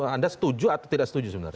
anda setuju atau tidak setuju sebenarnya